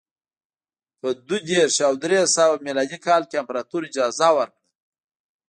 په دوه دېرش او درې سوه میلادي کال کې امپراتور اجازه ورکړه